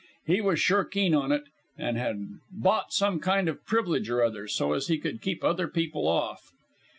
He was sure keen on it, and had bought some kind of privilege or other, so as he could keep other people off.